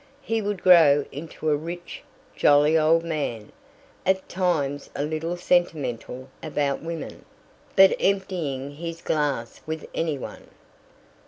He would grow into a rich, jolly old man, at times a little sentimental about women, but emptying his glass with anyone.